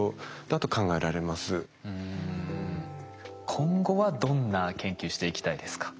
今後はどんな研究していきたいですか？